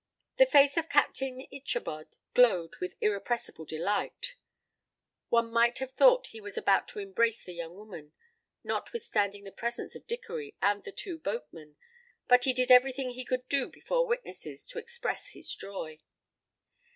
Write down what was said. The face of Captain Ichabod glowed with irrepressible delight; one might have thought he was about to embrace the young woman, notwithstanding the presence of Dickory and the two boatmen, but he did everything he could do before witnesses to express his joy.